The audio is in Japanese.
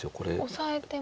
オサえても。